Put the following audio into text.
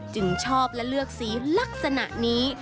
จึงชอบและเลือกสีลักษณะนี้